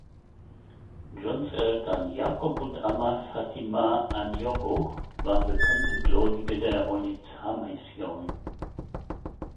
Johns Eltern Jacob und Ama Fatima Anyogo waren bekannte Gläubige der Onitshamission.